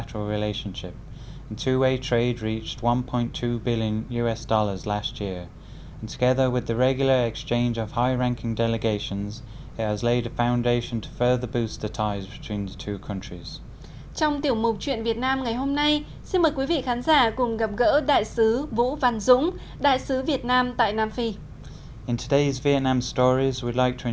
trong tiểu mục chuyện việt nam ngày hôm nay xin mời quý vị khán giả cùng gặp gỡ đại sứ vũ văn dũng đại sứ việt nam tại nam phi